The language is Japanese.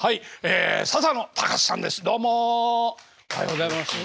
おはようございます。